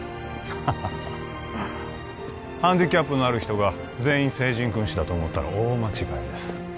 ハハハハハンディキャップのある人が全員聖人君子だと思ったら大間違いです